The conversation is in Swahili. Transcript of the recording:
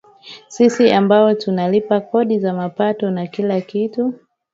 sisi ambao tunalipa kodi za mapato na kila kitu